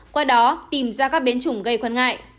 qua đó tìm ra các biến chủng gây quan ngại